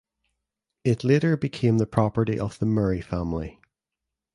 It later became the property of the Murray family.